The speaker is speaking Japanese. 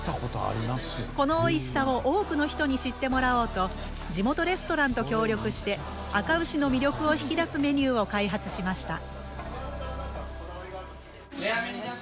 このおいしさを多くの人に知ってもらおうと地元レストランと協力してあか牛の魅力を引き出すメニューを開発しました。